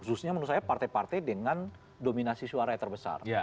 khususnya menurut saya partai partai dengan dominasi suara yang terbesar